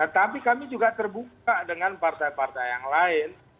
tapi kami juga terbuka dengan partai partai yang lain